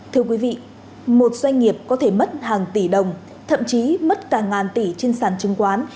thưa quý vị một doanh nghiệp có thể mất hàng tỷ đồng thậm chí mất cả ngàn tỷ trên sàn chứng khoán